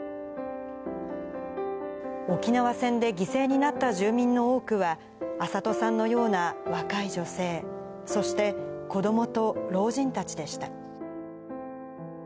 沖縄戦で犠牲になった住民の多くは、安里さんのような若い女性、そして、子どもと老人たちでした。